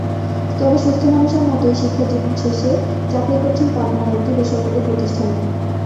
তবে সুস্থ মানুষের মতোই শিক্ষাজীবন শেষে চাকরি করছেন পাবনার একটি বেসরকারি প্রতিষ্ঠানে।